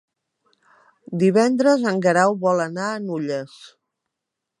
Divendres en Guerau vol anar a Nulles.